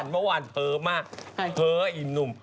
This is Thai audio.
เมื่อวานเทิ่มหมากเท๊ยนุ่ม